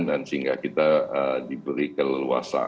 dan sehingga kita diberi keleluasan